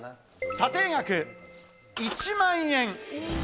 査定額１万円。